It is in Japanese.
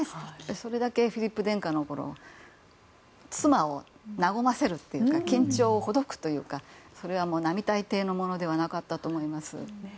それだけフィリップ殿下の妻を和ませるというか緊張をほどくというのは並大抵のものではなかったと思います。